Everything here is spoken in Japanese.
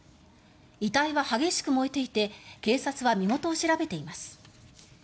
遺体は激しく燃えていて警察は身元を調べています。